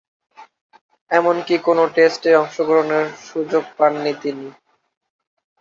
এমনকি কোন টেস্টে অংশগ্রহণের সুযোগ পাননি তিনি।